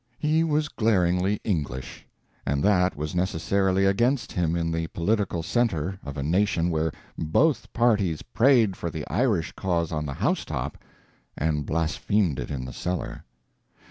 He was glaringly English, and that was necessarily against him in the political centre of a nation where both parties prayed for the Irish cause on the house top and blasphemed it in the cellar.